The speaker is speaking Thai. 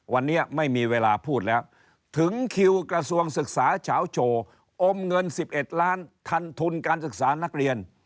วันนี้ไม่มีเวลาพูดแล้วถึงคิวกระทรวงศึกษาเฉาโชว์อมเงิน๑๑ล้านทันทุนการศึกษานักเรียน